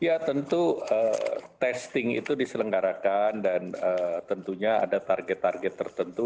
ya tentu testing itu diselenggarakan dan tentunya ada target target tertentu